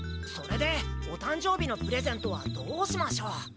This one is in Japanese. それでお誕生日のプレゼントはどうしましょう？